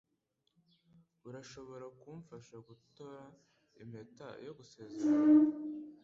Urashobora kumfasha gutora impeta yo gusezerana?